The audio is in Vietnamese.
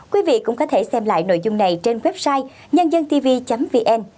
quý vị cũng có thể xem lại nội dung này trên website nhân dân tv vn